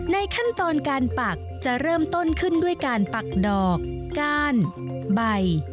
ขั้นตอนการปักจะเริ่มต้นขึ้นด้วยการปักดอกก้านใบ